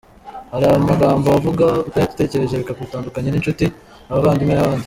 Hari amagambo wavuga utayatekereje , bikagutandukanya n’inshuti, abavandimwe n’abandi.